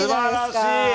すばらしい！